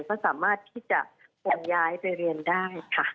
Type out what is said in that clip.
ก็สามารถที่จะขนย้ายไปเรียนได้ค่ะ